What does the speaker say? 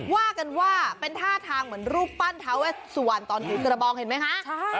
ว่ากันว่าเป็นท่าทางเหมือนรูปปั้นท้าเวสวันตอนถือกระบองเห็นไหมคะ